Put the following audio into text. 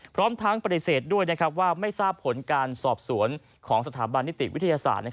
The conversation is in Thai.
พร้อมทั้งปฏิเสธด้วยว่าไม่ทราบผลการสอบสวนของสถาบันนิติวิทยาศาสตร์